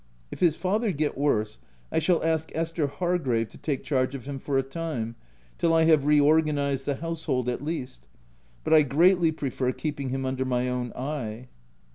If his father get worse, I shall ask Esther Hargrave to take charge of him for a time, till I have re organized the household at least ; but I greatly prefer keeping him under my own eye.